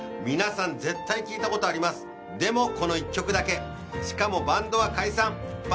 皆さん絶対聴いたことありますでもこの１曲だけしかもバンドは解散